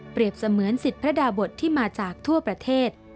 เสมือนสิทธิ์พระดาบทที่มาจากทั่วประเทศ